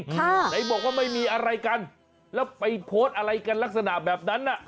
ไหนบอกว่าไม่มีอะไรกันแล้วไปโพสต์อะไรกันลักษณะแบบนั้นน่ะ